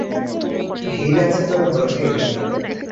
ভিড় আছে, তবে হৈচৈ নেই।